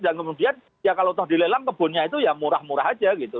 dan kemudian ya kalau toh dilelang kebunnya itu ya murah murah saja gitu